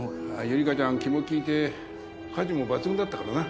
友梨華ちゃん気も利いて家事も抜群だったからな。